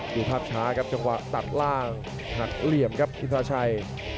ดูภาพช้าครับจังหวะตัดล่างหักเหลี่ยมครับอินทราชัย